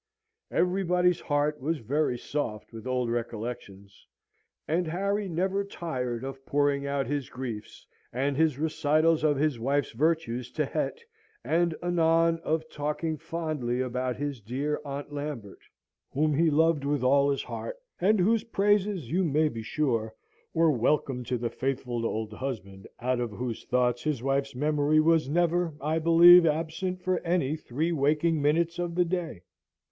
Everybody's heart was very soft with old recollections, and Harry never tired of pouring out his griefs and his recitals of his wife's virtues to Het, and anon of talking fondly about his dear Aunt Lambert, whom he loved with all his heart, and whose praises, you may be sure, were welcome to the faithful old husband, out of whose thoughts his wife's memory was never, I believe, absent for any three waking minutes of the day.